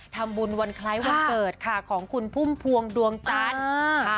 ทำบุญวันคล้ายวันเกิดค่ะของคุณพุ่มพวงดวงจันทร์